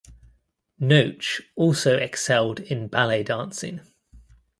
Noach also excelled in ballet dancing.